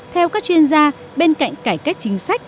theo các chuyên gia bên cạnh cải cách chính sách